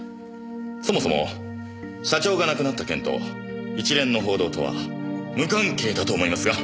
そもそも社長が亡くなった件と一連の報道とは無関係だと思いますが。